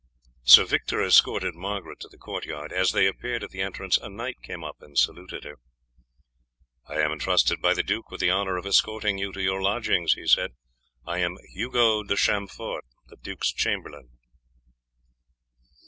Sir Victor escorted Margaret to the court yard. As they appeared at the entrance a knight came up and saluted her. "I am intrusted by the duke with the honour of escorting you to your lodgings," he said; "I am Hugo de Chamfort, the duke's chamberlain."